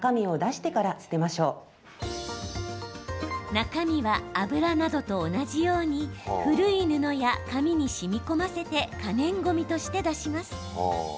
中身は、油などと同じように古い布や紙にしみこませて可燃ごみとして出します。